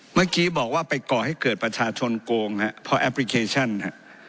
เมื่อกี้บอกว่าไปก่อให้เกิดประชาชนโกงฮะเพราะแอปพลิเคชันฮะ